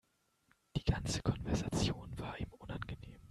Die ganze Konversation war ihm unangenehm.